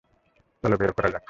চলো, বের করা যাক।